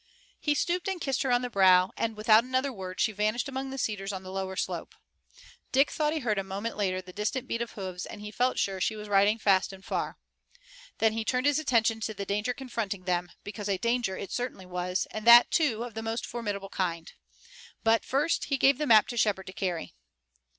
He stooped and kissed her on the brow, and, without another word, she vanished among the cedars on the lower slope. Dick thought he heard a moment later the distant beat of hoofs and he felt sure she was riding fast and far. Then he turned his attention to the danger confronting them, because a danger it certainly was, and that, too, of the most formidable kind. But, first, he gave the map to Shepard to carry.